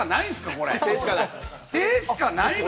これ手しかないの？